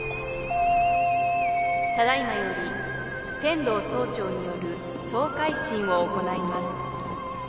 「ただいまより天堂総長による総回診を行います」